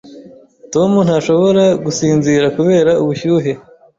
Tom ntashobora gusinzira kubera ubushyuhe.